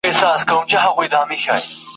پر هډوکو دي لړزه سي ته چي ښکلې نجوني ګورې !.